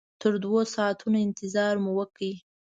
تر دوو ساعتونو انتظار مو وکړ.